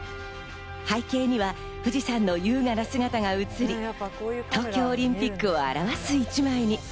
背景には富士山の優雅な姿が映り、東京オリンピックを表す１枚に。